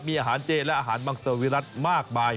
มีอาหารเจและอาหารมังสวิรัติมากมาย